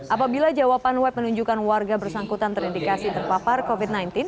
apabila jawaban web menunjukkan warga bersangkutan terindikasi terpapar covid sembilan belas